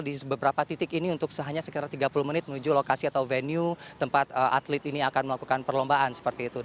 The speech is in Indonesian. di beberapa titik ini untuk hanya sekitar tiga puluh menit menuju lokasi atau venue tempat atlet ini akan melakukan perlombaan seperti itu